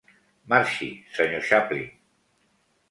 Marxi, Sr. Chaplin.